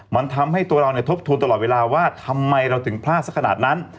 มันทำให้ตัวเราทบทวนตลอดเวลาว่าทำไมเราถึงพลาดสักขนาดนั้น